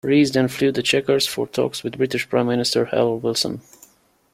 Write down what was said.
Rees then flew to Chequers for talks with British Prime Minister Harold Wilson.